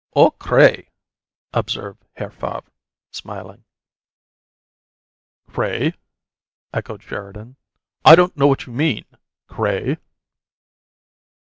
"All cray," observed Herr Favre, smilingly. "'Cray'?" echoed Sheridan. "I don't know what you mean. 'Cray'?"